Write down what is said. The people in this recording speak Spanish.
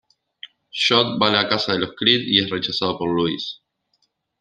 Jud va a la casa de los Creed y es rechazado por Louis.